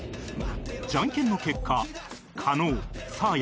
じゃんけんの結果加納サーヤ